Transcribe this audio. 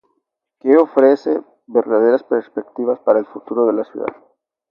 Que ofrece verdaderas perspectivas para el futuro de la ciudad.